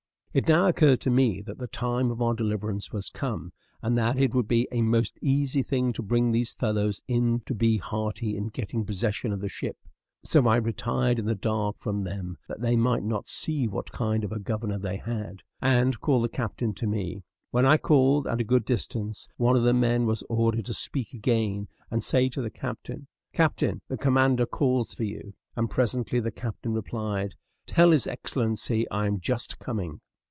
It now occurred to me that the time of our deliverance was come, and that it would be a most easy thing to bring these fellows in to be hearty in getting possession of the ship; so I retired in the dark from them, that they might not see what kind of a governor they had, and called the captain to me; when I called, at a good distance, one of the men was ordered to speak again and say to the captain, "Captain, the commander calls for you;" and presently the captain replied, "Tell his excellency I am just coming."